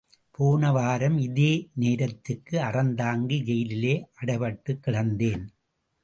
போன வாரம் இதே நேரத்துக்கு அறந்தாங்கி ஜெயிலிலே அடைப்பட்டுக் கிடந்தேன்.